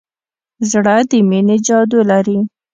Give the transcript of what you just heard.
زړه د مینې جادو لري.